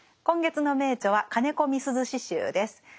今月の名著は「金子みすゞ詩集」です。